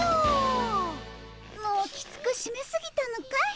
もうきつくしめすぎたのかい？